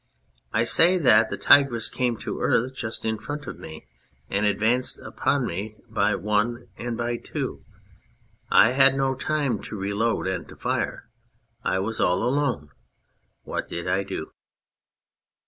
" I say that the tigress came to earth just in front of me and advanced upon me by one and by two. I had no time to reload and to fire. I was all alone. What did I do